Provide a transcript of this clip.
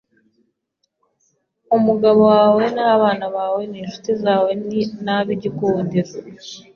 umugabo wawe, abana bawe ninshuti zawe nabigikundiro